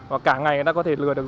và cả ngày người ta có thể lừa được